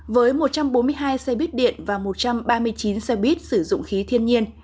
với một trăm bốn mươi hai xe buýt điện và một trăm ba mươi chín xe buýt sử dụng khí thiên nhiên